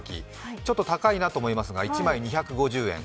ちょっと高いなと思いますが、１枚２５０円。